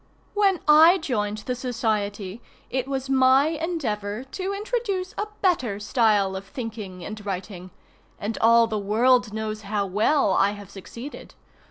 ] When I joined the society it was my endeavor to introduce a better style of thinking and writing, and all the world knows how well I have succeeded.